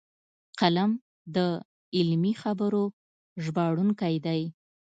قلم د علمي خبرو ژباړونکی دی